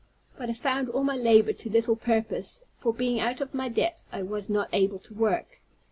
But I found all my labor to little purpose; for, being out of my depth, I was not able to work.